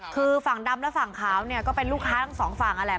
คือฝั่งดำและฝั่งขาวเนี่ยก็เป็นลูกค้าทั้งสองฝั่งนั่นแหละ